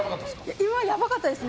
今やばかったですね。